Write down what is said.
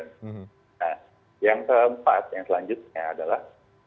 nah yang keempat yang selanjutnya adalah